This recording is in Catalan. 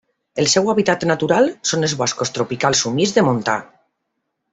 El seu hàbitat natural són els boscos tropicals humits de montà.